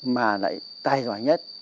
mà lại tài giỏi nhất